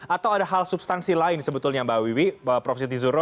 atau ada hal substansi lain sebetulnya mbak wiwi prof siti zuro